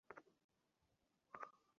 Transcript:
সে মেয়েটাকে হত্যা করবে না।